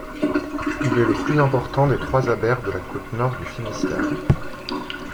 Il est le plus important des trois abers de la côte nord du Finistère.